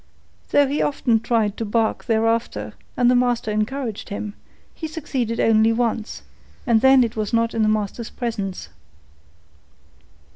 Though he often tried to bark thereafter, and the master encouraged him, he succeeded only once, and then it was not in the master's presence.